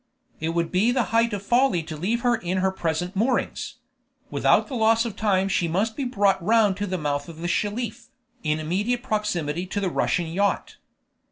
It would be the height of folly to leave her in her present moorings; without loss of time she must be brought round to the mouth of the Shelif, in immediate proximity to the Russian yacht.